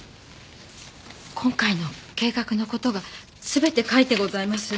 今回の計画の事が全て書いてございます。